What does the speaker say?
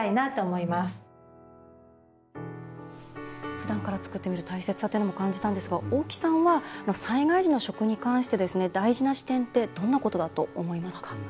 ふだんから作ってみる大切さを感じたんですが大木さんは災害時の食に対して大事な視点ってどんなことだと思いますか？